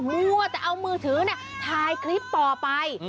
มัวแต่เอามือถือถ่ายคลิปต่อไป